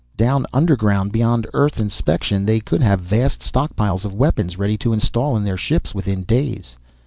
Down underground, beyond Earth inspection, they could have vast stockpiles of weapons, ready to install in their ships within days.